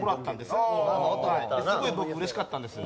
すごい僕うれしかったんです。